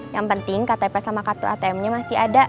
yang penting ktp sama kartu atm nya masih ada